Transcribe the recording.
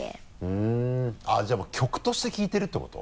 ふんあっじゃあもう曲として聴いてるってこと？